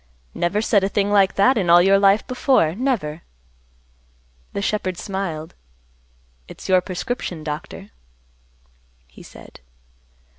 Never said a thing like that in all your life before, never." The shepherd smiled, "It's your prescription, Doctor," he said.